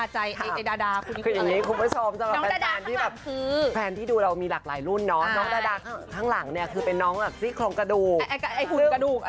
จับลาวจับเทศเข้ามา